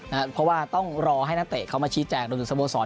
เพราะว่าต้องรอให้นักเตะเขามาชี้แจงรวมถึงสโมสร